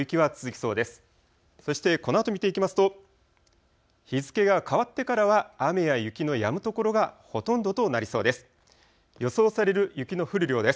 そしてこのあと見ていきますと日付が変わってからは雨や雪のやむ所がほとんどとなりそうです。